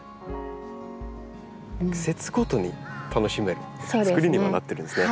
季節ごとに楽しめるつくりにもなってるんですね。